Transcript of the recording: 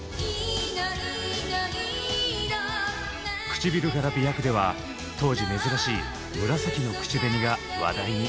「くちびるから媚薬」では当時珍しい紫の口紅が話題に。